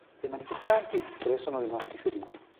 Dei manifestanti, tre sono rimasti feriti.